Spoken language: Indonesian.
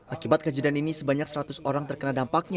akibat kejadian ini sebanyak seratus orang terkena dampaknya